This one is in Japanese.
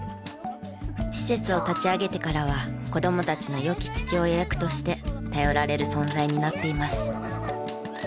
施設を立ち上げてからは子どもたちの良き父親役として頼られる存在になっています。